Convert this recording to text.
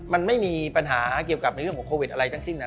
มันไม่มีปัญหาเกี่ยวกับในเรื่องของโควิดอะไรทั้งสิ้นนะ